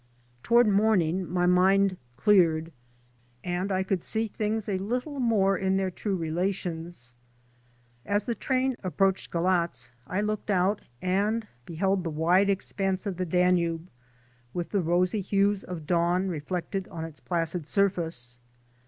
Toward morning my mind cleared and I could see things a little more in their true relations. As the train approached Galatz I looked out and beheld the wide expanse of the Danube with the rosy hues of dawn reflected on its placid surface.